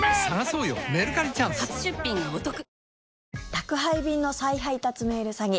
宅配便の再配達メール詐欺。